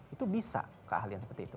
itu bisa keahlian seperti itu